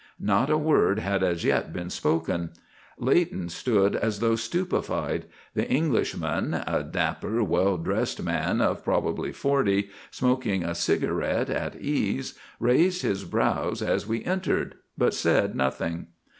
Not a word had as yet been spoken. Leighton stood as though stupefied. The Englishman, a dapper, well dressed man of probably forty, smoking a cigarette at ease, raised his brows as we entered, but said nothing.